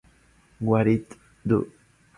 What It Do!